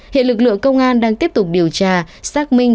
hiện lực lượng công an đang tiếp tục điều tra xác minh